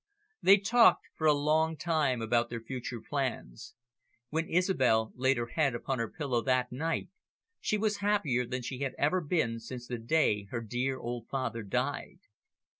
They talked for a long time about their future plans. When Isobel laid her head upon her pillow that night, she was happier than she had ever been since the day her dear old father died.